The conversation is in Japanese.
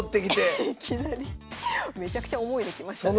めちゃくちゃ重いのきましたね。